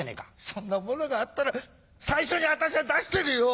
そんな物があったら最初に私は出してるよ。